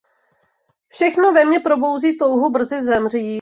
Všechno ve mně probouzí touhu brzy zemřít.